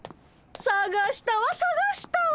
さがしたわさがしたわ。